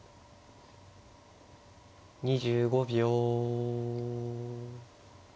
２５秒。